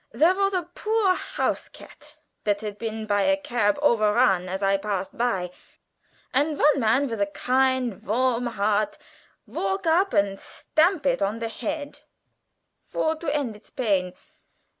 Zere vas a poor house cat dat had been by a cab overrun as I passed by, and von man vith a kind varm heart valk up and stamp it on de head for to end its pain.